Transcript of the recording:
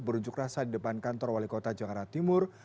berunjuk rasa di depan kantor wali kota jakarta timur